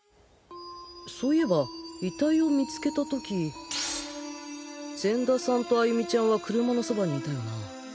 そういえば遺体を見つけた時善田さんと歩美ちゃんは車のそばにいたよな